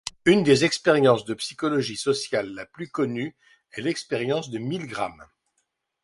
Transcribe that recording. Une des expériences de psychologie sociale la plus connue est l'expérience de Milgram.